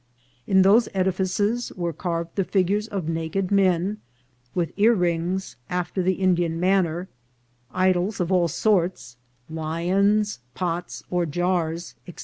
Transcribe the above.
In those Edifices were carved the Figures of naked Men, with Earrings after the Indian manner, Idols of all Sorts, Lions, Pots or Jarrs," &c.